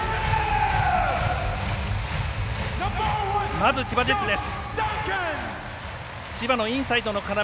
まず千葉ジェッツです。